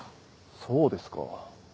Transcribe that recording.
そうですか。